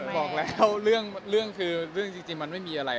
บอกแล้วเรื่องจริงมันไม่มีอะไร